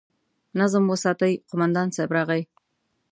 نظم وساتئ! قومندان صيب راغی!